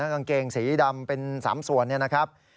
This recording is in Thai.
กางเกงสีดำเป็น๓ส่วนเนี่ยนะครับ